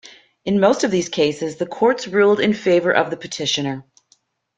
In most of these cases, the courts ruled in favor of the petitioner.